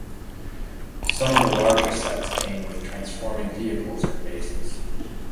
Some of the larger sets came with transforming vehicles or bases.